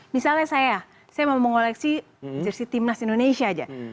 misalnya saya saya mau mengoleksi jersi timnas indonesia aja